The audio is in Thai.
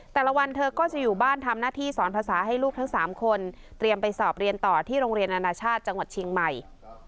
แต่ละวันเธอก็จะอยู่บ้านทำหน้าที่สอนภาษาให้ลูกทั้ง๓คนเตรียมไปสอบเรียนต่อที่โรงเรียนอนาชาติจังหวัดเชียงใหม่